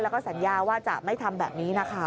แล้วก็สัญญาว่าจะไม่ทำแบบนี้นะคะ